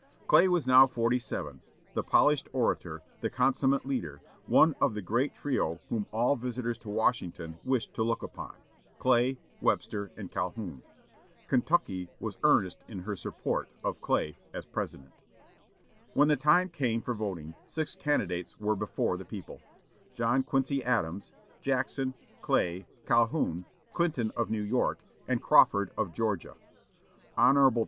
Clay was now forty seven, the polished orator, the consummate leader, one of the great trio whom all visitors to Washington wished to look upon: Clay, Webster, and Calhoun. Kentucky was earnest in her support of Clay as President. When the time came for voting, six candidates were before the people: John Quincy Adams, Jackson, Clay, Calhoun, Clinton of New York, and Crawford of Georgia. Hon.